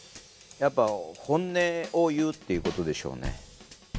やっぱ本音を言うっていうことでしょうね。